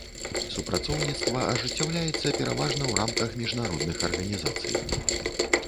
Супрацоўніцтва ажыццяўляецца пераважна ў рамках міжнародных арганізацый.